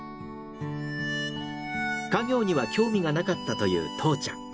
家業には興味がなかったというとうちゃん。